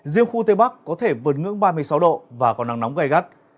riêng khu tây bắc có thể vượt ngưỡng ba mươi sáu độ và có nắng nóng gai gắt